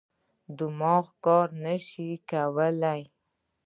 دماغي کار نه شوای کولای.